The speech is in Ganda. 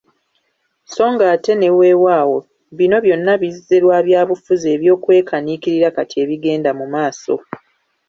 So ng’ate ne Weewaawo bino byonna bizze lwa byabufuzi eby’okwekaniikirira kati ebigenda mu maaso.